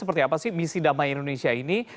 seperti apa sih misi damai indonesia ini